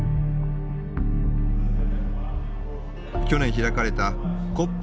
去年開かれたＣＯＰ